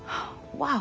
わあ。